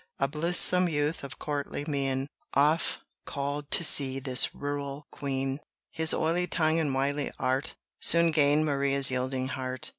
A blithesome youth of courtly mien Oft called to see this rural queen: His oily tongue and wily art Soon gained Maria's yielding heart.